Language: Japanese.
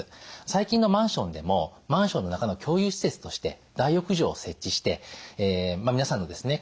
最近のマンションでもマンションの中の共有施設として大浴場を設置して皆さんのですね